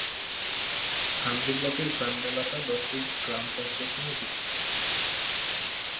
কান্দি ব্লকের গ্রামীণ এলাকা দশটি গ্রাম পঞ্চায়েত নিয়ে গঠিত।